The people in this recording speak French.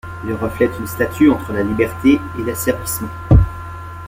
Ils reflètent un statut entre la liberté et l’asservissement.